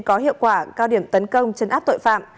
có hiệu quả cao điểm tấn công chấn áp tội phạm